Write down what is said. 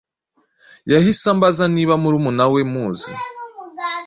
Yahise ambaza niba murumuna we muzi,